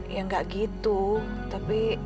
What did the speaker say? ya ga gitu tapi